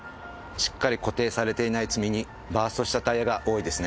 しっかり固定されていない積み荷バーストしたタイヤが多いですね。